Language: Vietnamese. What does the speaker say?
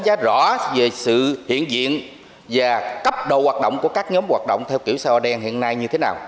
với sự hiện diện và cấp độ hoạt động của các nhóm hoạt động theo kiểu xã hội đen hiện nay như thế nào